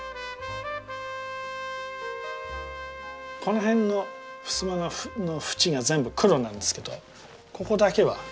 この辺のふすまの縁が全部黒なんですけどここだけは赤いんです。